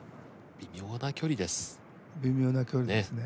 微妙な距離ですね。